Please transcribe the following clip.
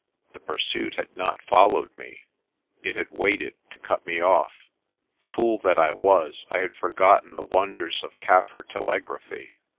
The pursuit had not followed me ; it had waited to cut me off. Fool that I was, I had forgotten the wonders of Kaffir telegraphy.